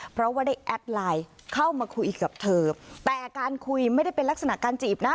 เพราะว่าได้แอดไลน์เข้ามาคุยกับเธอแต่การคุยไม่ได้เป็นลักษณะการจีบนะ